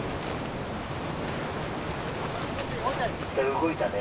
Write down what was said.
「動いたね」。